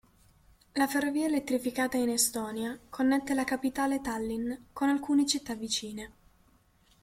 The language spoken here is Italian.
La ferrovia elettrificata in Estonia connette la capitale Tallinn con alcune città vicine.